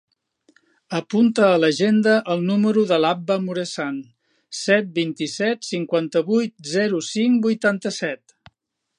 Apunta a l'agenda el número de l'Abba Muresan: set, vint-i-set, cinquanta-vuit, zero, cinc, vuitanta-set.